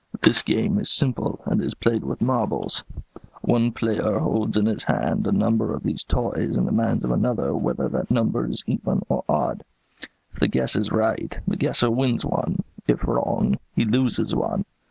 This game is simple, and is played with marbles. One player holds in his hand a number of these toys and demands of another whether that number is even or odd. If the guess is right, the guesser wins one; if wrong, he loses one.